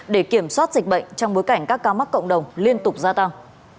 để kiểm soát dịch bệnh trong bối cảnh các ca mắc cộng đồng liên tục gia tăng